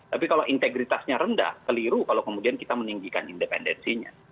tapi kalau integritasnya rendah keliru kalau kemudian kita meninggikan independensinya